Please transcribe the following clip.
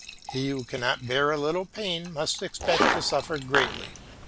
He who cannot bear a little pain must expect to suffer greatly.